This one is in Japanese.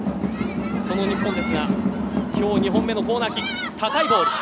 その日本ですが今日２本目のコーナーキック。